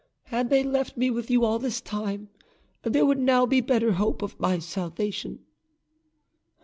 "Had they left me with you all this time, there would now be better hope of my salvation."